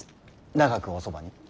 長くおそばに？